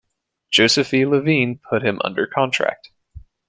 Joseph E. Levine put him under contract.